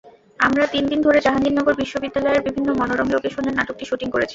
আমরা তিন দিন ধরে জাহাঙ্গীরনগর বিশ্ববিদ্যালয়ের বিভিন্ন মনোরম লোকেশনে নাটকটির শুটিং করেছি।